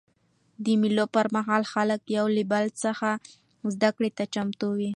د مېلو پر مهال خلک یو له بله زدهکړې ته چمتو يي.